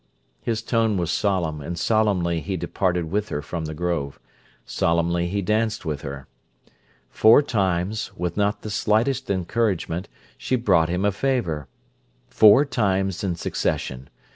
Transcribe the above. His tone was solemn, and solemnly he departed with her from the grove. Solemnly he danced with her. Four times, with not the slightest encouragement, she brought him a favour: four times in succession.